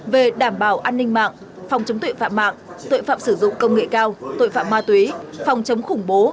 về đảm bảo an ninh mạng phòng chống tuệ phạm mạng tuệ phạm sử dụng công nghệ cao tuệ phạm ma túy phòng chống khủng bố